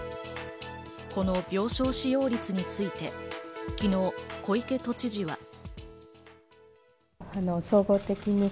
この病床使用率について昨日、小池都知事は。